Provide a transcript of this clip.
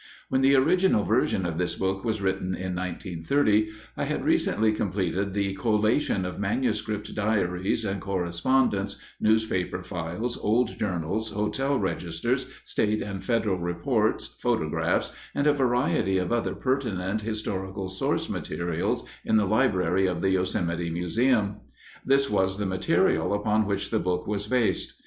_ _When the original version of this book was written in 1930, I had recently completed the collation of manuscript diaries and correspondence, newspaper files, old journals, hotel registers, state and federal reports, photographs, and a variety of other pertinent historical source materials in the library of the Yosemite Museum. This was the material upon which the book was based.